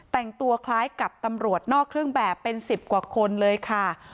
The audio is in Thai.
แต่งตัวคล้ายกับตำรวจนอกเครื่องแบบเป็น๑๐กว่าคนเลยค่ะ